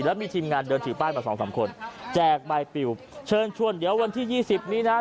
แล้วมีทีมงานเดินถือป้ายมาสองสามคนแจกใบปิวเชิญชวนเดี๋ยววันที่ยี่สิบนี้นะ